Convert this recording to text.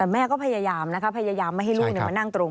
แม่ก็พยายามนะคะพยายามไม่ให้ลูกมานั่งตรง